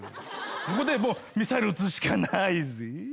ここでもうミサイル撃つしかないぜ。